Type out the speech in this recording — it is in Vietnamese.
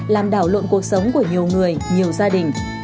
làm đảo lộn cuộc sống của nhiều người nhiều gia đình